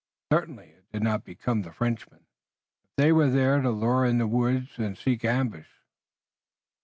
Certainly, it did not become Frenchmen, if they were there to lurk in the woods and seek ambush.